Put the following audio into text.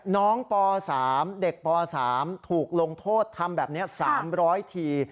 ป๓เด็กป๓ถูกลงโทษทำแบบนี้๓๐๐ที